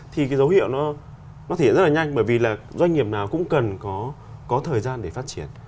thì cái dấu hiệu nó thể hiện rất là nhanh bởi vì là doanh nghiệp nào cũng cần có thời gian để phát triển